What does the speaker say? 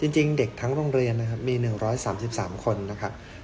จริงเด็กทั้งโรงเรียนนะครับมี๑๓๓คนนะครับ